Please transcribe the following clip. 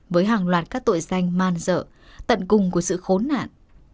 với hàng loạt các tội danh man dợ tận cùng của sự khốn nản